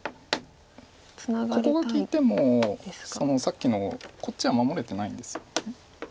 ここが利いてもさっきのこっちは守れてないんです。